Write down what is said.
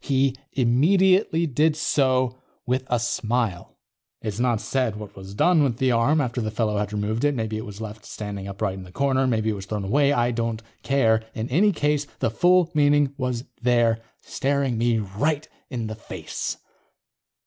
He immediately did so, with a smile._ It's not said what was done with the arm after the fellow had removed it. Maybe it was left standing upright in the corner. Maybe it was thrown away. I don't care. In any case, the full meaning was there, staring me right in the face.